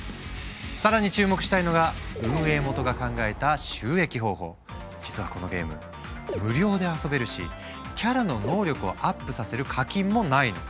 更に注目したいのが実はこのゲーム無料で遊べるしキャラの能力をアップさせる課金もないの。